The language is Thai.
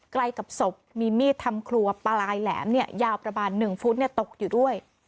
ใกล้กับศพมีมีดทำครัวปลายแหลมยาวประมาณ๑ฟุตตกอยู่ด้วย